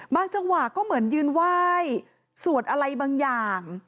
จังหวะก็เหมือนยืนไหว้สวดอะไรบางอย่าง